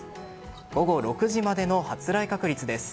午後６時までの発雷確率です。